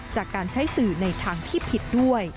จากการใช้สื่อในทางที่ผิดด้วย